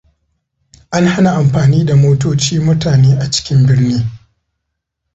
An hana amfani da motoci mutane a cikin birni.